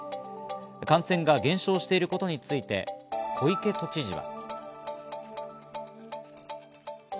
感染が減少していることについて小池都知事は。